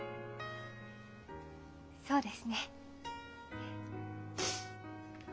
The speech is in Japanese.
そうですね。